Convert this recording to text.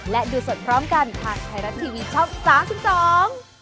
และดูสดพร้อมกันทางไทยรัฐทีวีช่อง๓๒